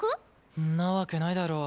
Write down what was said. んなわけないだろう。